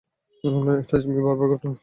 এটা জিম্মি করার ঘটনা।